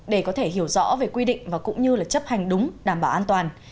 để có thể hiểu rõ về quy định và cũng như chấp hành đúng đảm bảo an toàn